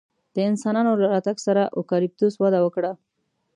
د انسانانو راتګ سره اوکالیپتوس وده وکړه.